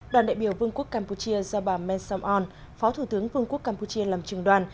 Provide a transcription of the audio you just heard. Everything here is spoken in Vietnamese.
đoàn đại biểu vương quốc campuchia do bà men somon phó thủ tướng vương quốc campuchia làm trường đoàn